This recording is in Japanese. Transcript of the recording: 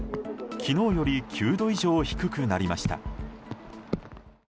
昨日より９度以上低くなりました。